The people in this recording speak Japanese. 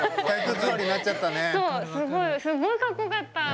すごいかっこよかった！